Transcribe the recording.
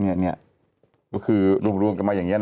ก็คือรวมกันมาอย่างนี้